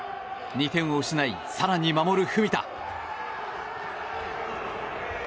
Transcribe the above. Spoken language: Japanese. ２点を失い、更に守る文田。